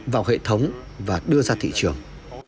vào hệ thống và đưa ra thị trường